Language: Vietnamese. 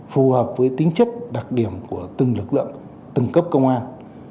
phù hợp với tính chất đặc điểm của từng lực lượng từng cấp công an